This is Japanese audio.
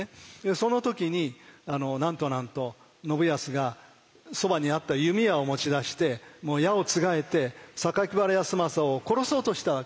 その時になんとなんと信康がそばにあった弓矢を持ち出してもう矢をつがえて榊原康政を殺そうとしたわけ。